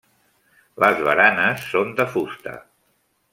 Les baranes són de fusta.